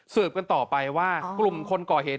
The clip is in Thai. กันต่อไปว่ากลุ่มคนก่อเหตุ